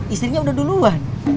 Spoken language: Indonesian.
istrinya udah duluan